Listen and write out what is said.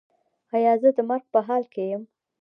ایا زه د مرګ په حال کې یم؟